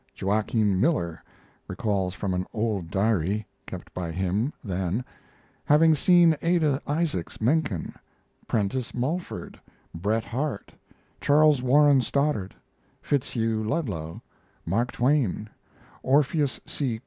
Joaquin Miller recalls from an old diary, kept by him then, having seen Adah Isaacs Menken, Prentice Mulford, Bret Harte, Charles Warren Stoddard, Fitzhugh Ludlow, Mark Twain, Orpheus C.